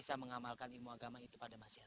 keluaranian yang seultifuester